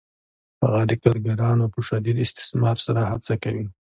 هغه د کارګرانو په شدید استثمار سره هڅه کوي